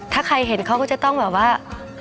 ถ้าใครเห็นเขาก็จะต้องแบบว่า